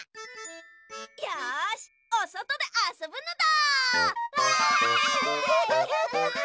よしおそとであそぶのだ！